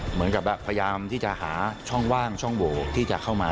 เหมือนกับพยายามที่จะหาช่องว่างช่องโหวที่จะเข้ามา